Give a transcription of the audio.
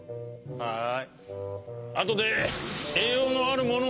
はい。